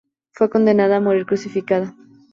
Fue condenado a morir crucificado.